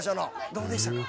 どうでしたか？